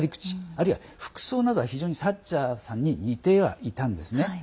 あるいは、服装などは非常にサッチャーさんに似てはいたんですね。